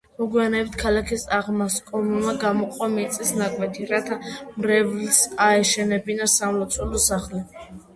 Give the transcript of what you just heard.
მოგვიანებით ქალაქის აღმასკომმა გამოყო მიწის ნაკვეთი რათა მრევლს აეშენებინა სამლოცველო სახლი.